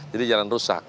jadi jalan rusak